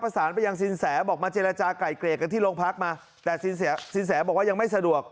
สารไปยังสินแสบอกมาเจรจาก่ายเกรดกันที่โรงพักมาแต่สินแสบอกว่ายังไม่สะดวก